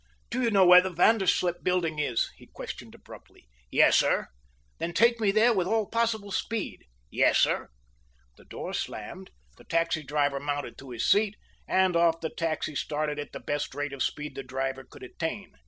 "Do you know where the Vanderslip Building is?" he questioned abruptly. "Yes, sir." "Then take me there with all possible speed." "Yes, sir." The door slammed, the taxi driver mounted to his seat, and off the taxi started at the best rate of speed the driver could attain.